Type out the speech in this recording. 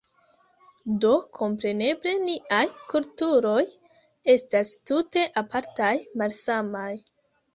Do, kompreneble niaj kulturoj estas tute apartaj, malsamaj.